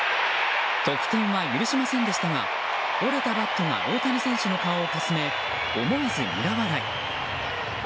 得点は許しませんでしたが折れたバットが大谷選手の顔をかすめ思わず苦笑い。